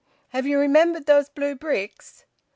"Have you remembered about those blue bricks?"